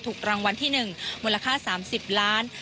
ถูกรางวัลที่๑มูลค่า๓๐ล้าน